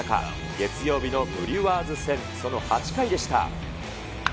月曜日のブリュワーズ戦、その８回でした。